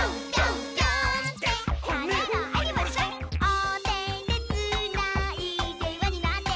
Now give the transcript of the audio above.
「おててつないでわになって」